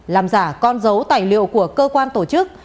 làm giả con dấu tài liệu của cơ quan tổ chức